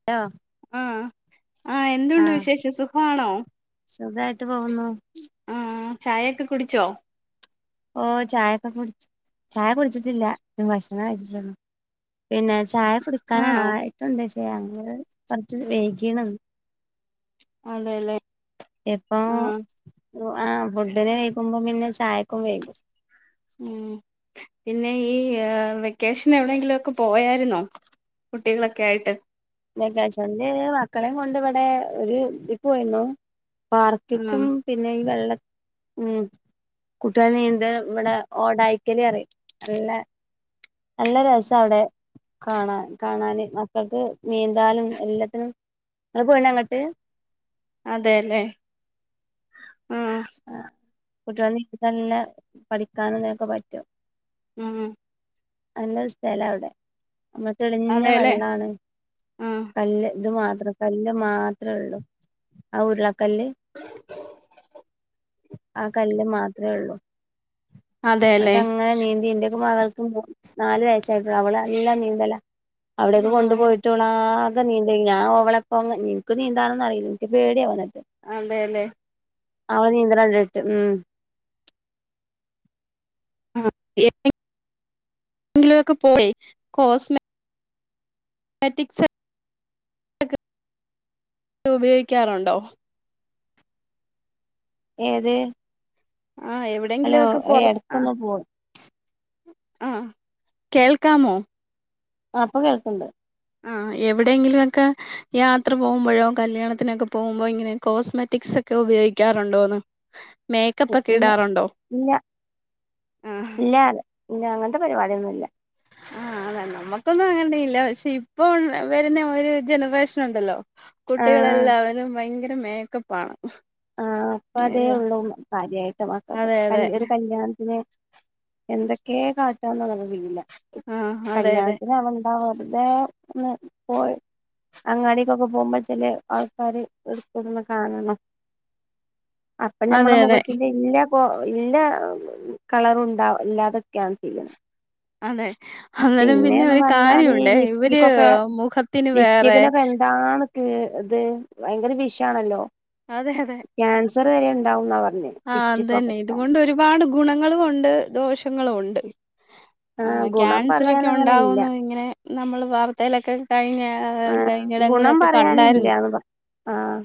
[unintelligible] ആ ആ എന്തുണ്ട് ആഹ് വിശേഷം സുഖാണോ സുഖായിട്ട് പോവുന്നു ആഹ് ചായയൊക്കെ കുടിച്ചോ ഓ ചായയൊക്കെ കുടി ചായ കുടിച്ചിട്ടില്ല ഭക്ഷ്ണം കഴിച്ചിട്ടൊള്ളു പിന്നെ ചായ ആണോ കുടിക്കാനായിട്ടുണ്ട് പക്ഷെ ഞങ്ങള് കൊറച്ച് വെയ്ഗീതാ ണ് അതെ ല്ലെ? ഇപ്പൊ ആ ഫുഡ്ഡിനെ വെയ്കുംമ്പോ പിന്നെ ചായക്കും വെയ്കും. ഉം. പിന്നെ ഈ വെക്കേഷ്ന് എവിടെയെങ്കിലുഒക്കെ പോയായിരുന്നോ കുട്ടികളൊക്കെ ആയിട്ട്.? വെക്കേഷന്ന്‌ മക്കളെം കൊണ്ട് ഇവടെ ഒരു ട്രിപ്പ് പോയിരുന്നു പാർക്കിക്കും ആഹ് പിന്നെ ഈ വെള്ള ഉം. കുട്ട്യാളെ നീന്തേ ഇവടെ ഓടായിക്കല് അറിയു നല്ല നല്ല രസാ അവ്ടെ കാണാൻ കാണാന് മക്കക്ക് നീന്താനും എല്ലത്തിനും ഇങ്ങള് പോയീന്ന അങ്ങട്ട്.? അതെ ല്ലേ മ്.. ആ കുട്ട്യേളെ നീക്ക് തന്നെ പഠിക്കാനും ഇതിനൊക്കെ പറ്റും. ഉം നല്ലൊരു സ്ഥലാ അവ്ടെ. ല്ല തെളിഞ്ഞ അതെല്ലേ വെള്ളാണ് ആഹ് കല്ല് ഇത് മാത്രം കല്ല് മാത്രേ ഒള്ളു. ആ ഉര്ളകല്ല് ആ കല്ല് മാത്രേ ഒള്ളൂ അതെല്ലേ ന്ന്ട്ട് അങ്ങനെ നീന്തി ഇന്റൊക്കെ മകൾ നാല് വയസ്സായിട്ടൊള്ളു അവള് നല്ല നീന്തലാ അവിടെയൊക്കെ ആഹ് കൊണ്ടുപോയി കുട്ട്യോളാകെ നീന്തേയ് ഞാ ഓവളെപ്പം ഇൻക്ക് നീന്താനൊന്നും അറിയില്ല ഇൻക്ക് പേടിആവ ഇന്നട്ട്. അതെ ലെ? അവള് നീന്തണ കണ്ട്ട്ട് ഉം. [unintelligible] ലൊക്കെ പോയി കോസ്മ മാറ്റിക്സ് ഇത് ഉപയോഗിക്കാറുണ്ടോ? ഏത്? ആഹ് ഹലോ എവിടെങ്കിലുഒക്കെ പൊറ ആ എടക്കൊന്ന് പോയി ആഹ്, കേൾക്കാമോ? ആഹ്, പ്പൊ കേൾക്കണ്ട്. ആഹ്, എവിടെങ്കിലു ഒക്കെ ഹ് യാത്ര പോകുമ്പോഴോ കല്യാണത്തിനൊക്കെ പോകുമ്പോ, ഇങ്ങനെ കോസ്മെറ്റിക്സ് ഒക്കെ ഉപയോഗിക്കാറുണ്ടോന്ന്? [inaudible] ഒക്കെ ഇല്ല, ഇടാറുണ്ടോ ഇല്ല, ആഹ് ഇല്ല, ല, ഇല്ല അങ്ങൻത്തെ പരിപാടൊന്നുംല്ല. ആഹ്, അതാ, നമ്മുക്കൊന്നും അങ്ങനെയില്ല. പക്ഷെ, ഇപ്പൊ, വെര്ന്ന ഒരു ജനറേഷൻ ണ്ടല്ലോ ആഹ് കുട്ടികളെല്ലാവരും ഭയങ്കര മേക്കപ്പാണ്. ആഹ്, പ്പൊ അതേ ഉള്ളൂ കാര്യയിട്ട്. അതെ മാക്കക്ക് അതെ ഒരു കല്യാൺത്തിന് എന്തൊക്കെ കാട്ടാന്ന് അറീല. ആഹ് അതെ അതെ കല്യാൺത്തിന് ആവന്ന് ആഹ്, വെർതേ ന്ന് പോയി അങ്ങാടിക്കൊക്കെ പോകുമ്പോ ചെലെ ആൾക്കാര് എട്ത്ത്ട്ണെ കാണണ. അപ്പൊ, അതെ നമ്മുടെ അതെ മുഖത്തിന്റെ ഇല്ല കൊ ഇല്ല, കളറു ണ്ടാവ ഇല്ലാതൊക്കെണ് ചെയ്യ്ണ്. അതെ, അന്നേരം പിന്നെ, ഒരു കാര്യ പറഞ്ഞാല് ഈ ഒണ്ടേ. ഇവര് ലിപ്സ്റ്റിക്കൊക്കെ മുഖത്തിന് വേറെ ആണ്. ക്ക്, ത്, ഭയങ്കര വിഷ ആണല്ലോ? അതെ, അതെ. ക്യാൻസറ് വരെ ണ്ടാവുന്നാ പർഞ്ഞെ. ആഹ്, ത് ന്നെ, ഇതുകൊണ്ട് ഒരുപാട് ഗുണങ്ങളും ഒണ്ട് ദോഷങ്ങളും ഒണ്ട്. ആഹ്, ഗുണം പറയാൻ ക്യാൻസറോക്കെ അങ്ങനെ ഇല്ല ഒണ്ടാവുന്നു ഇങ്ങനെ നമ്മള് വാർത്തയിലൊക്കെ കഴിഞ്ഞ ആഹ്, ഗുണം കഴിഞ്ഞിടങ്ങളിലൊക്കെ പറയാനില്ല. കണ്ടായിരുന്നു ന്ന് പറ ആഹ്.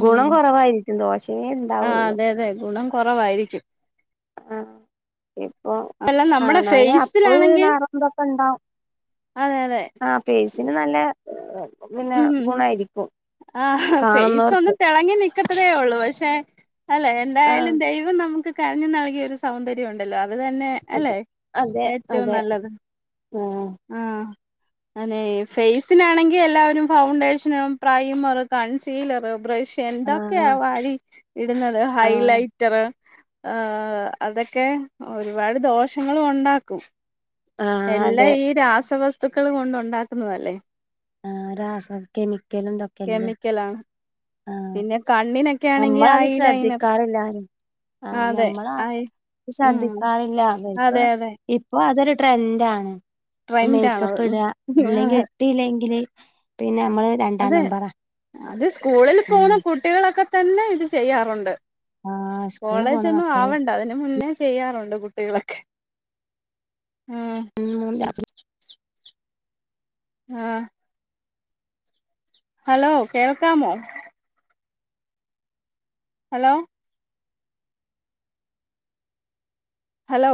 ഉം ഗുണം കൊറവായിരിക്കും. ദോശേ ആഹ്, അതെ, അതെ ഗുണം കൊറവായിരിക്കും. ആഹ്, ഇപ്പൊ നമ്മുടെ കാണാന്. അപ്പൊ, ഫേസിലാണെങ്കിൽ നറന്തൊക്കെ ണ്ടാവു. അതെ, അതെ ആഹ്, ഫേയ്സിന് നല്ല. പിന്നെ ഉം, ഗുണായിരിക്കും ആഹ്, ഫെയ്സ് ഒന്നു കാണുന്നവർക്ക് തെള നിക്കത്തതേ ഉള്ളൂ. പക്ഷേ, അല്ലെ, ആഹ് എന്തായാലും ദൈവം നമുക്ക് കനിഞ്ഞു നൽകിയ ഒരു... സൗന്ദര്യം ഉണ്ടല്ലോ? അത് തന്നെ അല്ലെ, അതെ അതെ ഏറ്റവും അതെ നല്ലത്. ആഹ്. ആഹ് അനെ, ഫേയ്സിനാണെങ്കി എല്ലാവരും ഫൗണ്ടേഷനും പ്രയ്മർ, കൺസീലർ, ബ്രഷ്. ആഹ് എന്തൊക്കെയാ വാരി ഇടുന്നത്, ആഹ് ഹൈലൈറ്റർ. ആഹ്, അതൊക്കെ ഒരുപാട് ദോഷങ്ങളും ഒണ്ടാക്കും. ആഹ് എല്ലാം, അതെ ഈ രാസവസ്തുക്കള് കൊണ്ട് ഉണ്ടാക്കുന്നതല്ലേ? ആഹ്, രാസ കെമിക്കലും, ഇതൊക്കെല്ലേ? ക്കലാണ്. ആഹ് പിന്നെ, കണ്ണിനൊക്കെ. നമ്മളത് ഐ ലൈനർ ശ്രദ്ധിക്കാറില്ലാരും. ആഹ്, അതെ നമ്മൾ ഐ ആരും ഉം ശ്രദ്ധിക്കാറില്ല. ഇ വർക്ക് അതെ അതെ ഇ ഇപ്പോ, അതൊരു ട്രെൻഡാണ്, മേയ് ക്കപ്പ് ട്രെൻഡാണത് ഇട, ല്ലെങ്കിൽ. അതെ ട്ടില്ലെങ്കില് പിന്നെ നമ്മള്. രണ്ടാം അതെ, നമ്പറാ അത്, സ്കൂളിൽ പോവുന്ന ഉം കുട്ടികളൊക്കെ തന്നെ ഇത് ചെയ്യാറുണ്ട്. ആഹ് സ്കൂള് പോണ കോളേജൊന്നും മക്കള് ആവണ്ട അതിന് മുന്നേ..... ചെയ്യാറുണ്ട് കുട്ടികളൊക്കെ? ഉം. ' [inaudible] ആഹ്. ഹലോ, കേൾക്കാമോ? ഹലോ. ഹലോ.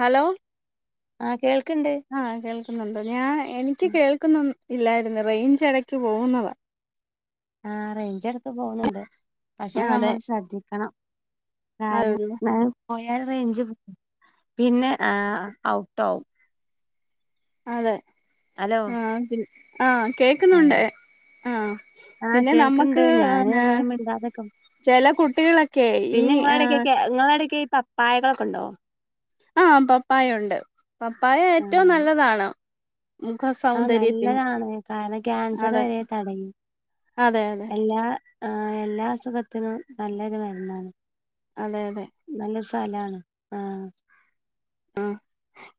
ഹലോ. ആഹ് കേൾക്ക്ണ്ട്. ആഹ് കേൾക്കുന്നുണ്ട് ഞാൻ എനിക്ക് കേൾക്കുന്നു ഇല്ലായിരുന്നു റേഞ്ച് എടക്ക് പോകുന്നതാ. ആഹ് റേഞ്ച് എടക്ക് പോകുന്നുണ്ട്. പക്ഷേ ആഹ് അതെ നമ്മള് ശ്രദ്ധിക്കണം കാരണം അതൊരു [unintelligible] പോയാൽ റേഞ്ച് പോ പിന്നെ ഏഹ് ഔട്ടാവും. അതെ ഹലോ ആഹ് പി ആഹ് കേ ആഹ് ആഹ് പിന്നെ കേൾക്ക്ണ്ട് നമ്മക്ക് ഞാന് ഇങ്ങനെ മിണ്ടാതെക്കും ചില കുട്ടികളൊക്കെ ഈ പിന്നെ ഇങ്ങളെ എടക്കെക്കെ ആഹ് ഇങ്ങള എടക്ക് ഈ പപ്പായകളൊക്കെ ഒണ്ടോ ആഹ് പപ്പായ ഒണ്ട് പപ്പായ ഏറ്റവും ആഹ് നല്ലതാണ് മുഖ സൗ ആഹ് നല്ലതാണ് കാരണം ക്യാൻസർ അതെ വരെ തടയും അതെ അതെ എല്ലാ ആഹ് എല്ലാ അസുഖത്തിനും നല്ലൊരു മരുന്നാണ് അതെ അതെ നല്ലൊരു ഫലാണ് ആഹ്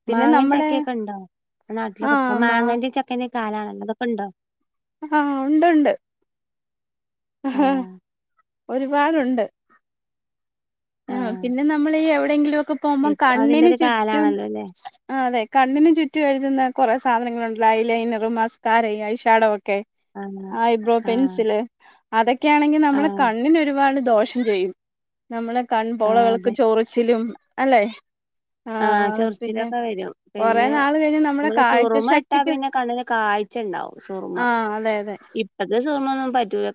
പിന്നെ മാങ്ങേം നമ്മുടെ ചക്കയൊക്കെ ഒണ്ടോ നാട്ടിലൊക്കെ ഇപ്പോ ആഹ് മാങ്ങേന്റേം ച ക്കേന്റേം കാലണല്ലോ അതൊക്കെ ഉണ്ടോ ആഹ് ഒണ്ട് ഒണ്ട്. ആഹ് ഒരുപാടൊണ്ട്. ആഹ് പിന്നെ നമ്മളീ എവിടേങ്കിലുമൊക്കെ പോകുമ്പോ ഇപ്പൊ അതിന്റെ കണ്ണിന് ഒരു ചുറ്റും കാലാണല്ലോ അല്ലേ ആഹ് അതെ കണ്ണിന് ചുറ്റും എഴുതുന്ന കൊറെ സാധനങ്ങളുണ്ടല്ലോ ഐ ലൈനറും മസ്ക്കാരയും ഐശാടോ ഒക്കെ ആഹ് ഐബ്രോ ആഹ് പെൻസില് അതൊക്കെയാണെങ്കി നമ്മളെ ആഹ് കണ്ണിന് ഒരുപാട് ദോഷ് [unintelligible] ചെയ്യും നമ്മളെ ആഹ് കൺപോളകൾക്ക് അതെ ചൊറിച്ചിലും അല്ലേ ആഹ് ചൊറിച്ചിലൊക്കെ വരും പിന്നെ നാള് കഴിഞ്ഞ് നമ്മുടെ നമ്മള് കാഴ്ച സുറുമ ഇട്ടാ ശക്തിക്ക് പിന്നെ കണ്ണിന് കാഴ് ച്ച ഇണ്ടാവും സുറുമ ആഹ് അതെ അതെ ഇ പ്പഴത്തെ സുറുമ ഒന്നും പറ്റൂല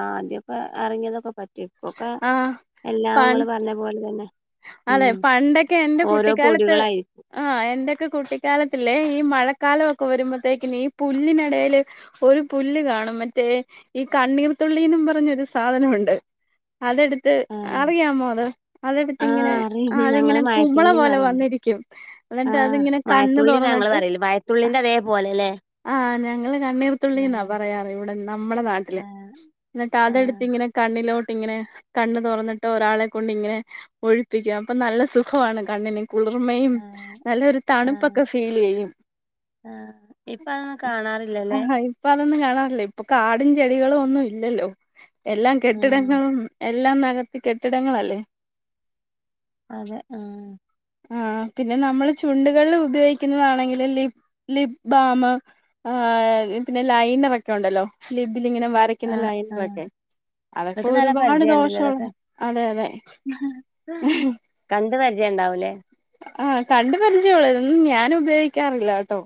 ആദ്യൊക്കെ എറങ്ങിയതൊക്കെ പറ്റേ ഇപ്പൊക്കെ ആഹ് എല്ലാം ഇങ്ങള് പറഞ്ഞ പോല തന്നെ അതേ ഉം പണ്ടൊക്കെ എന്റെ ഓരോ കുട്ടിക്കാലത്ത് പൊടികളായിരിക്കും ആഹ് എന്റെക്ക കുട്ടിക്കാലത്തില്ലേ ഈ മഴക്കാലൊക്ക വരുമ്പത്തേക്ക്‌നീ പുല്ലിന് എടേല് ഒരു പുല്ല് കാണും മറ്റേ ഈ കണ്ണീർത്തുള്ളീന്നും പറഞ്ഞൊരു സാധനൊണ്ട് അതെടുത്ത് ആഹ് അറിയാമോ അത് അതെടു ത്ത് ആഹ് ഇങ്ങനെ അറിയും ഞങ്ങള് അതിങ്ങനെ കുമള മഴത്തുള്ളിന്ന് പോലെ പറയണ്ട് വന്നിരിക്കും എന്നിട്ട് അതിങ്ങനെ കണ്ണ് തൊറന്നിട്ട് തുള്ളീന്റെ അതേ പോലെ ല്ലേ ആഹ് ഞങ്ങള് കണ്ണീർത്തുള്ളിന്നാ പറയാറ് ഇവ്ടെ നമ്മട നാട്ടില് ആഹ് എന്നിട്ട് ആഹ് അതെടുത്തിങ്ങനെ കണ്ണിലോട്ടിങ്ങനെ കണ്ണ് തൊറന്നിട്ട് ഒരാളെ കൊണ്ടിങ്ങനെ ഒഴിപ്പിക്കും അപ്പൊ നല്ല സുഖവാണ് കണ്ണിന് കുളിർമയും ആഹ് നല്ലൊരു ആഹ് തണുപ്പൊക്കെ ഫീലെയ്യും ആഹ് ഇപ്പ അതൊന്നും കാണാറില്ലല്ലേ ആഹ് ഇപ്പൊ അതൊന്നും കാണാറില്ല ഇപ്പൊ കാടും ചെടികളും ഒന്നും ഇല്ലല്ലോ എല്ലാം ആഹ് കെട്ടിടങ്ങളും എല്ലാം നെകത്തി കെട്ടിടങ്ങളല്ലേ അതെ ആഹ് ആഹ് പിന്നെ നമ്മള് ചുണ്ടുകളിൽ ഉപയോഗിക്കുന്നതാണെങ്കില് ലിപ് ലിപ്പ് ബാമ് ആഹ് പിന്നെ ലൈനറക്കെ ഒണ്ടല്ലോ ലിബ്ബിലിങ്ങനെ വര ക്കുന്ന ആഹ് ആഹ് ലൈനറൊക്കെ അതൊക്കെ ഇങ്ങക്ക് നല്ല ഒരുപാട് പരിചയണ്ടല്ലോ ദോഷോണ് ഇതൊക്കെ അതെ അതെ കണ്ട് പരിചയം ഇണ്ടാവൂലേ ആഹ് കണ്ടു പരിചയൊള്ളു ഇതൊന്നും ഞാൻ ഉപയോഗിക്കാറില്ല കേട്ടോ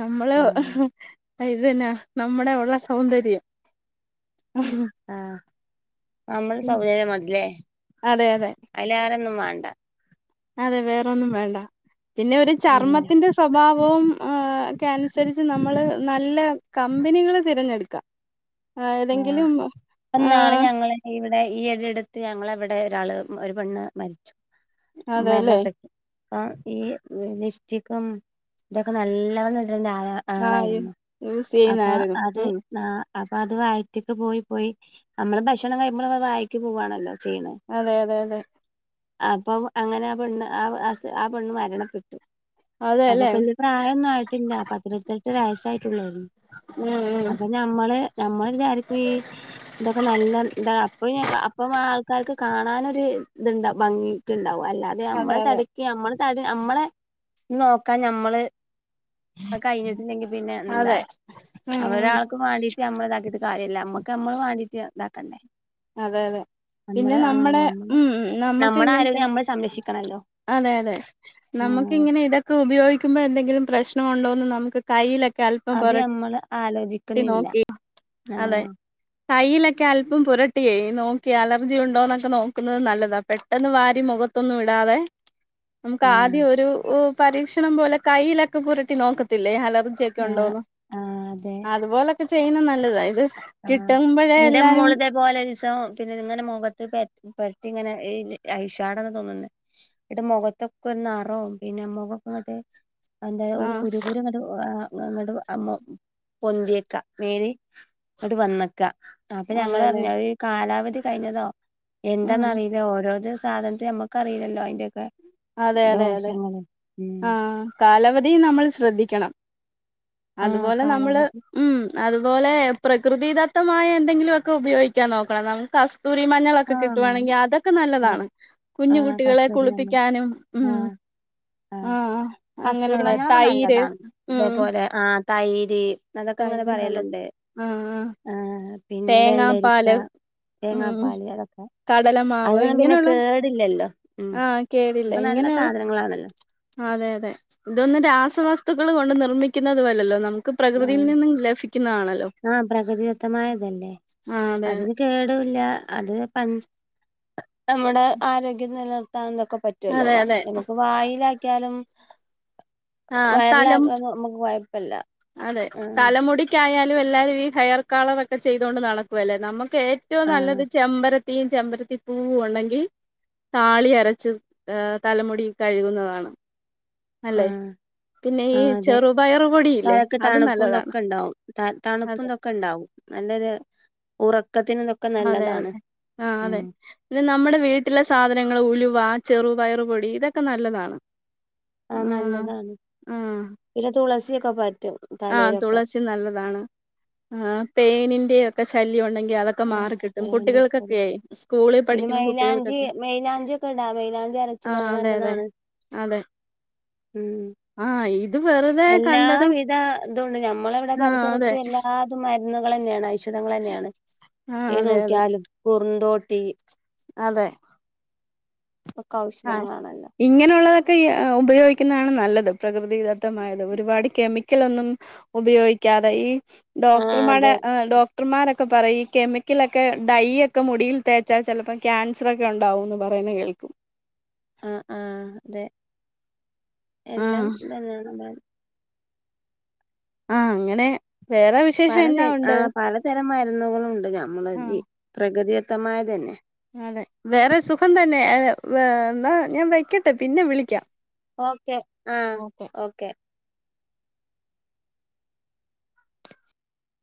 നമ്മള് ആഹ് ഇതെന്ന നമ്മുടെ ഒള്ള സൗന്ദര്യം ആഹ് നമ്മളെ സൗന്ദര്യം മതില്ലേ അതെ അതെ അതിലേറൊന്നും വാണ്ട അതെ വേറൊന്നും വേണ്ട പിന്നെ ഒരു ഉം ചർമ്മത്തിന്റെ സ്‌ സ്വഭാവവും ആ ഒക്കെയനുസരിച്ച് നമ്മള് നല്ല കമ്പനികള് തിരഞ്ഞെടുക്ക ആ ഇപ്പൊന്നാള് ആഹ് ഞങ്ങള് ഇവിടെ ഈയിടെ എടുത്ത് ഞങ്ങളെവിടെ ഒരാള് ഒരു പെണ്ണ് മരി ച്ചു അതെല്ലേ മരണപ്പെട്ട് ആ ഈ ലിഫ്റ്റിക്കും തൊക്കെ നല്ലവണ്ണം ഇട്ണ്ട ആളാ ആഹ് ആളായിരുന്നു യൂസ് അപ്പൊ ചെയ്യുന്നായിരുന്നു അത് ഉം ന്നാ അപ്പൊ അത് വയറ്റ്ക്ക് പോയി പോയി നമ്മള് ഭക്ഷണം കഴിക്കുമ്പോളൊക്കെ അത് വായക്ക് പോവാണല്ലോ ചെയ്യ്ണ് അതെ അതെ അതെ അപ്പൊ അങ്ങനെ ആ പെണ്ണ് ആ ആ സ് ആ പെണ്ണ് മരണപ്പെട്ടു അതെല്ലേ അപ്പൊപ്പാ പ്രായൊന്നും ആയിട്ടില്ല പത്തിരുപത്തെട്ട് വയസ്സായിട്ടുള്ളേയ് ഉം ഉം ഞമ്മള് ഞമ്മള് വിചാരിക്കും ഈ തൊക്കെ നല്ലതാ അപ്പഴുഞ്ഞാക്ക ഇപ്പം ആൾക്കാർക്ക് കാണാനൊര് ഇത്ണ്ട ഭംഗിക്ക്‌ ണ്ടാവും അല്ലാതെ അതെ നമ്മളെ അതെ തടി നമ്മള് തടി നമ്മളെ നോക്കാൻ നമ്മള് അത് കയ്ഞ്ഞിട്ടില്ലെങ്കി പിന്നെന്താ അതെ ഉം ഉം അവരാൾ ക്ക്‌ മാണ്ടീറ്റ് നമ്മള് ഇതാക്കിട്ട് കാര്യല്ല നമ്മക്ക് നമ്മള് വാണ്ടീറ്റ് താക്കണ്ടേ അതെ അതെ പിന്നെ നമ്മള് ആ നമ്മടെ നമ്മള് ഉം നമുക്ക് നമ്മടെ ഇങ്ങനത്തെ ആരോഗ്യം നമ്മള് സംരക്ഷിക്കണല്ലോ അതെ അതെ ആഹ് നമുക്കിങ്ങനെ ഇതൊക്കെ ഉപയോഗിക്കുമ്പോ എന്തെങ്കിലും പ്രശ്നമുണ്ടോന്ന് നമുക്ക് കയ്യിലൊക്കെ അല്പം അത് നമ്മള് പൊരട്ടി ആലോചിക്കുന്നില്ല നോക്കി അതെ ആഹ് കയ്യിലൊക്കെ അല്പം പുരട്ടിയേ നോക്കി അലർജി ഒണ്ടോന്നൊക്കെ നോക്കുന്നത് നല്ലതാ പെ ട്ടന്ന് വാരി മുഖത്തൊന്നും ഇടാതെ ആഹ് നമുക്കാദ്യം ഒരു പരീക്ഷണം പോലെ കയ്യിലൊക്കെ പുരട്ടി നോക്കത്തില്ലേ അല ആഹ് ജിയൊക്കെണ്ടോന്ന് ആഹ് അതെ അതുപോലൊക്കെ ചെയുന്നെ നല്ലതാ ഇത് ആ കിട്ടുമ്പഴേ എന്റെ എല്ലാരും മോള് തേപ് ഇത്പോലൊരീസം പിന്നെ ഇങ്ങനെ മുഖത്ത് പെ പെരട്ടി ഇങ്ങനെ ഈ ഐഷാടന്ന് തോന്നുന്നു ങ്ങ്ട്ട് മുഖത്തൊക്കെ ഒര് നെറോം പിന്നെ മുഖക്കെ അങ്ങ്ട്ട് എന്താ ഒരു ആഹ് കുരുകുരു ങ്ങട്ട് ആ അങ്ങണ്ട് ആ മോ പൊന്തിയേക്കാ മേനി ങ്ങട്ട് വന്നക്കാ അപ്പൊ അതെല്ലേ ഞങ്ങളർഞ് ഈ കാലാവധി കഴിഞ്ഞതോ ഉം എന്താന്നറി ഓരോരോ സാധനത്തെ നമ്മക്ക് അറീലല്ലോ അയ്ന്റെക്കെ അതെ അതെ അതെ ഉം ആ കാലവധി നമ്മൾ ശ്രദ്ധിക്കണം. ആഹ് അതുപോലെ നമ്മള് കാലാവധി ഉം അതുപോലെ പ്രകൃതിദത്തമായ എന്തെങ്കിലുമൊക്കെ ഉപയോഗിക്കാൻ നോക്കണം നമുക്ക് അസു തുരി മഞ്ഞളൊക്കെ ആഹ് കിട്ടുവാണെങ്കി അതൊക്കെ നല്ലതാണ് കുഞ്ഞു കുട്ടികളെ കുളിപ്പിക് ആ ആ ആഹ് അങ്ങനെയുള്ള കസ്തൂരിമഞ്ഞളൊക്കെ തൈര് നല്ലതാണ് ഉം തേപോലെ ആ തൈര് അതൊക്കെ ങ്ങനെ തൈര് നല്ലത് പറയല്ണ്ട് ആഹ് ആഹ് പിന്നെ വെള്ളരിക്ക തേങ്ങാപ്പാല് ഉം തേങ്ങാപ് പാല് അതൊക്കെ കടലമാവ് അതന്നും പിന്നെ ഇങ്ങനെയുള്ള കേടില്ലല്ലോ ഉം ആഹ് കേടില്ല മുക്ക് നല്ല ഇങ്ങനെയുള്ള സാധനങ്ങളാണല്ലോ. അതെ അതെ ഇതൊന്നും രാസവസ്തുക്കൾ കൊണ്ട് നിർമ്മിക്കുന്നതുവല്ലല്ലോ നമുക്ക് പ്ര് കൃതിയിൽ ആഹ് നിന്നും ലഫിക്കുന്നആണല്ലോ ആഹ് ആ അതെ. കേടൂല്ല അത് പ നമ്മുടെ ആരോഗ്യം നിലനിർത്താന്നൊക്കെ പറ്റും. അതെ പറ്റോല്ലോ അതെ അതെ നമുക്ക് വായിലാക്കിയാലും ആഹ് വയറില തലമു നമുക്ക് കൊയ് പ്പല്ലാ. അതെ തലമുടിക്കായാലും എല്ലാവരും ഈ ഹെയർ കളർ ഒക്കെ ചെയ്തൊണ്ട് നടക്കുവല്ലേ നമുക്ക് ഏ ഏറ്റവും ആഹ് നല്ലത് ചെമ്പരത്തിയും ചെമ്പരത്തി പൂവും ഒള്ളെങ്കിൽ താളി അരച്ച് ഏ തലമുടി കഴുകുന്നതാണ്. അല്ലെ ആഹ് പിന്നെ ഈ ചെറുപയറുപൊടിയില്ലേ? തണുപ്പുംതൊക്കെണ്ടാവും അതെ തണുപ്പുംതൊക്കെണ്ടാവും നല്ലരു ഉറക്കത്തിന് അതെ നല്ലതാണ് അതെ ആ അതെ. ഉം പിന്നെ നമ്മുടെ വീട്ടിലെ സാധനങ്ങൾ ഉലുവ ചെറു പയറുപൊടി ഇതൊക്കെ നല്ലതാണ്. ആഹ് നല്ലതാണ് ആഹ് പിന്നെ തുളസിയൊക്കെ പറ്റും. ആഹ് തലയിലൊക്കെ തുളസി നല്ലതാണ് ആഹ് പേനിന്റെ ഒക്കെ ശല്യം ഒണ്ടെങ്കിൽ അതൊക്കെ- മാറിക്കിട്ടും ആഹ് കുട്ടികൾക്കൊക്കെയെ സ്കൂളിൽ പിന്നെ പഠിക്കുന്ന മയിലാഞ്ചി കുട്ടികൾക്കൊക്കെ മയിലാഞ്ചി ഒക്കെ ഇടാ മൈയിലാഞ്ചി അര ആ രച്ചിട അത് അതെ അതെ നല്ലതാണ്. അതെ ഉം ആഹ് ഇത് വെറുതെ കണ്ടതും. തുണ്ട് നമ്മെള ഇവിടെ ആ അതെ പരിസരത്ത് എല്ലാതും മരുന്നുകൾ തന്നെയാണ് ഔഷധങ്ങളന്നെയാണ്. ആ ഏത് അതെ അതെ നോക്കിയാലും കുറുന്തോട്ടി. അതെ ഒക്കെ ആ ഔഷധങ്ങളാണല്ലൊ. ഇങ്ങനെയുള്ളതൊക്കെ ഉപയോഗിക്കുന്നതാണ് നല്ലത് പ്രകൃതിദത്തമായത് ഒരുപാട് കെമിക്കൽ ഒന്നും ഉപയോഗിക്കാതെ ഈ ആ ഡോക്ടർമാരെ അതെ. ഡോക ക്ടർമാരൊക്കെ പറയും ഈ കെമിക്കലൊക്കെ ഡൈൊക്കെ മുടിയിൽ തേച്ചാൽ ചെലപ്പോ ക്യാൻസ ട്ഇത്രൊക്കെ ഉണ്ടാവുമെന്ന് പറയുന്നത് കേൾക്കും. ആഹ് ആഹ് അതെ ആ എല്ലാം ഇതന്നെ യാണ്ലേ ആഹ് അങ്ങനെ വേറെ. വിശേഷം പലതര എന്നാ ഉണ്ട് ആഹ് പലതരം മരുന്നുകളുണ്ട് നമ്മള് ആ ജ പ്രകൃതിദത്തമായ തന്നെ. അതെ വേറെ സുഖം തന്നെ എന്നാ ഞാൻ വെക്കട്ടെ പിന്നെ വിളിക്കാം. ഓക്കെ ആഹ് ഓക്കെ.